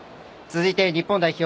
続いて日本代表